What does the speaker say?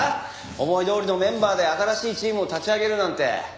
思いどおりのメンバーで新しいチームを立ち上げるなんて。